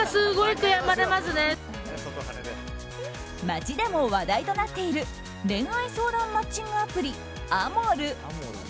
街でも話題となっている恋愛相談マッチングアプリＡＭＯＲＵ。